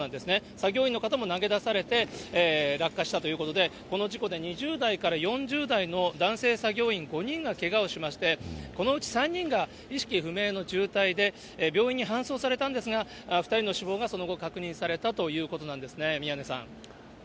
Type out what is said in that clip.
作業員の方も投げ出されて落下したということで、この事故で２０代から４０代の男性作業員５人がけがをしまして、このうち３人が意識不明の重体で、病院に搬送されたんですが、２人の死亡がその後、確認されたということなんですね、宮根さん。